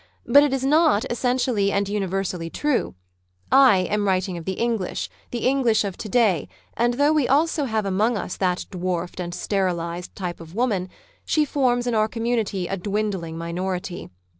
But it is not essentially and universally true. I am writing of the English, the English of to day, and though we also have among us that dwarfed and sterilised type of woman, she forms in our community a dwindling minority.